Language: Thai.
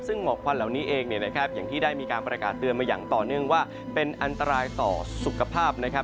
ซึ่งหมอกควันเหล่านี้เองเนี่ยนะครับอย่างที่ได้มีการประกาศเตือนมาอย่างต่อเนื่องว่าเป็นอันตรายต่อสุขภาพนะครับ